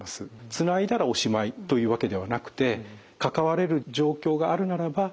つないだらおしまいというわけではなくて関われる状況があるならば是非関わってあげる。